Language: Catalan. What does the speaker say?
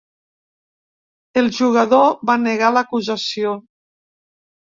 El jugador va negar l’acusació.